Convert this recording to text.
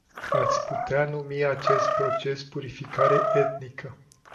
Ați putea numi acest proces purificare etnică.